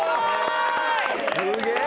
すげえ！